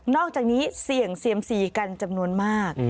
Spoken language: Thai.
อกจากนี้เสี่ยงเซียมซีกันจำนวนมาก